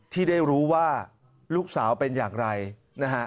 ที่ได้รู้ว่าลูกสาวเป็นอย่างไรนะฮะ